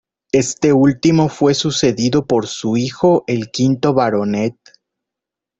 Este último fue sucedido por su hijo, el quinto baronet.